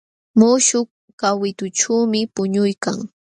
Muśhuq kawitućhuumi puñuykan.